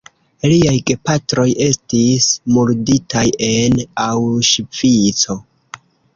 Liaj gepatroj estis murditaj en Aŭŝvico.